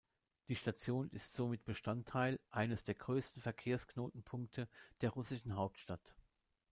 Die Station ist somit Bestandteil eines der größten Verkehrsknotenpunkte der russischen Hauptstadt.